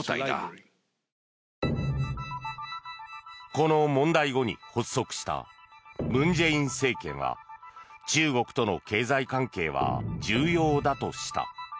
この問題後に発足した文在寅政権は中国との経済関係は重要だとした。